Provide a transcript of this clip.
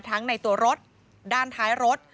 ในตัวรถด้านท้ายรถ